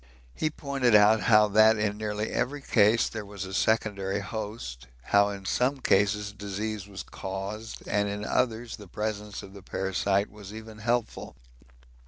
He pointed out how that in nearly every case there was a secondary host, how in some cases disease was caused, and in others the presence of the parasite was even helpful.